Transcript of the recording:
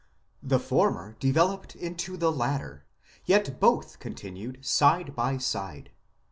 The former developed into the latter ; yet both continued side by side.